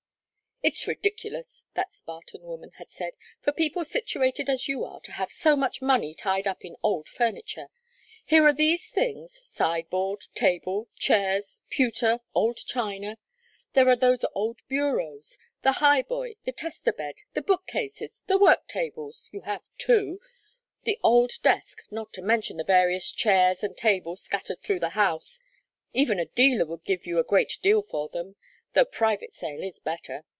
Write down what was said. "It's ridiculous," that Spartan woman had said, "for people situated as you are to have so much money tied up in old furniture. Here are these things sideboard, table, chairs, pewter, old china; there are those old bureaus, the high boy, the tester bed, the bookcases, the work tables you have two the old desk, not to mention the various chairs and tables scattered through the house. Even a dealer would give you a great deal for them, though private sale is better.